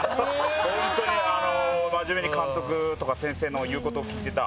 本当に真面目に監督とか先生の言うこと聞いてた。